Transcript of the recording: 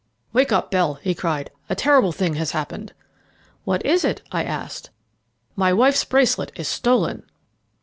"Wake up, Bell," he cried; "a terrible thing has happened." "What is it?" I asked. "My wife's bracelet is stolen."